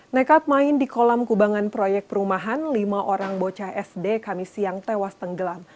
nekat main di kolam kubangan proyek perumahan lima orang bocah sd kami siang tewas tenggelam